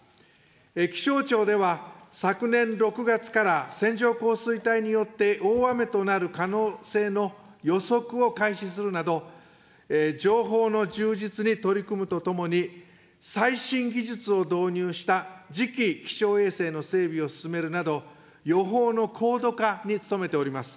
気象庁では、昨年６月から線状降水帯によって大雨となる可能性の予測を開始するなど、情報の充実に取り組むとともに、最新技術を導入した次期気象衛星の整備を進めるなど、予報の高度化に努めております。